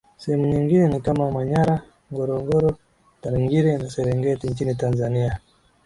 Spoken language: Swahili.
sehemu nyingine ni kama Manyara Ngorongoro Tarangire na Serengeti nchini Tanzania